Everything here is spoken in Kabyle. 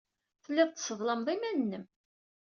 Telliḍ tesseḍlameḍ iman-nnem.